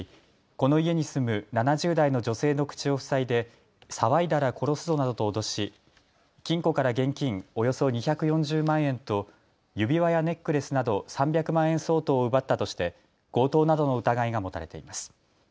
この家に住む７０代の女性の口を塞いで騒いだら殺すぞなどと脅し金庫から現金およそ２４０万円と指輪やネックレスなど３００万円相当を奪ったとして強盗などの疑いが持たれています。